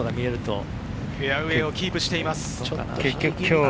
フェアウエーをキープしています。